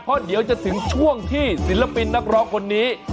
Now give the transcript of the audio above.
เพราะเดี๋ยวจะถึงช่วงที่ศิลปินนักร้องคนนี้